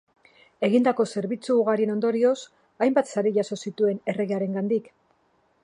Egindako zerbitzu ugarien ondorioz hainbat sari jaso zituen erregearengandik.